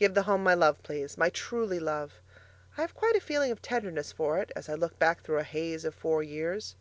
Give the Home my love, please my TRULY love. I have quite a feeling of tenderness for it as I look back through a haze of four years.